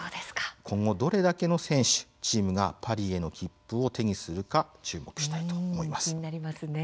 今後どれだけの選手、チームがパリへの切符を手にするか注目したいと思います。